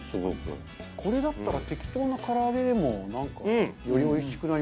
これだったら適当な唐揚げでもよりおいしくなりますね。